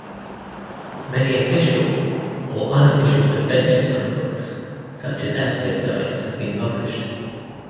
Many official or unofficial "Adventure Time" books such as episode guides have been published.